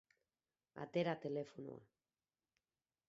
Atera telefonoa.